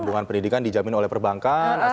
perlindungan pendidikan dijamin oleh perbankan